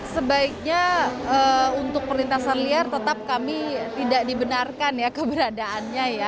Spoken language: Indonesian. sebaiknya untuk perlintasan liar tetap kami tidak dibenarkan ya keberadaannya ya